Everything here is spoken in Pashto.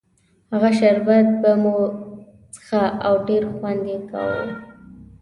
هغه شربت به مو څښه او ډېر خوند یې کاوه.